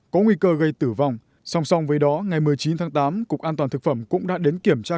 có nguy cơ gây tử vong song song với đó ngày một mươi chín tháng tám cục an toàn thực phẩm cũng đã đến kiểm tra